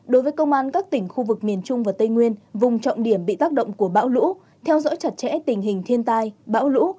đối với công an các tỉnh khu vực miền trung và tây nguyên vùng trọng điểm bị tác động của bão lũ theo dõi chặt chẽ tình hình thiên tai bão lũ